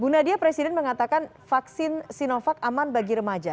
bu nadia presiden mengatakan vaksin sinovac aman bagi remaja